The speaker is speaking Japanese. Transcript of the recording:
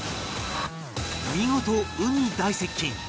見事鵜に大接近